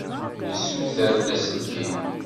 Yessuter-d aselkim.